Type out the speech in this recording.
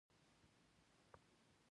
هره ډله دې څو فعلونه په متن کې په نښه کړي.